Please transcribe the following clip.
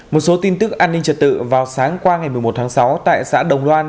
một số tin tức an ninh trật tự vào sáng qua ngày một mươi một tháng sáu tại xã đồng loan